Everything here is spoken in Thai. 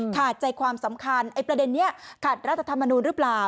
ขาดใจความสำคัญไอ้ประเด็นนี้ขาดรัฐธรรมนูลหรือเปล่า